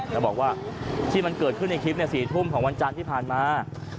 แล้วบอกว่าที่มันเกิดขึ้นในคลิป๔ทุ่มของวันจันทร์ที่ผ่านมา